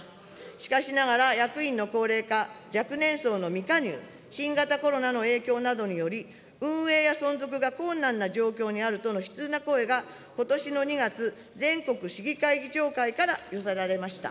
しかしながら役員の高齢化、若年層の未加入、新型コロナの影響などにより、運営や存続が困難な状況にあるとの悲痛な声が、ことしの２月、全国市議会議長会から、寄せられました。